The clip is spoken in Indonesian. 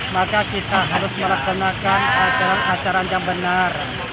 maka kita harus melaksanakan ajaran ajaran yang benar